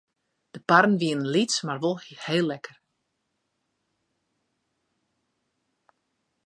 De parren wienen lyts mar wol heel lekker.